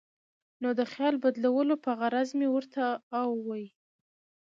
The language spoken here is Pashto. نو د خیال بدلولو پۀ غرض مې ورته اووې ـ